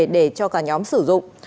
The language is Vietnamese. để cho cả nhóm sử dụng